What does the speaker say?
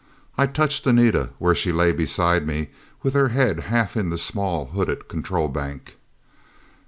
I touched Anita where she lay beside me with her head half in the small hooded control bank.